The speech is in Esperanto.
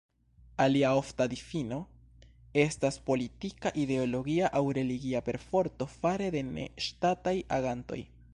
Alia ofta difino estas politika, ideologia aŭ religia perforto fare de ne-ŝtataj agantoj.